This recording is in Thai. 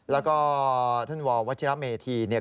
แล้วก็ท่านววัชิระเมธีเนี่ย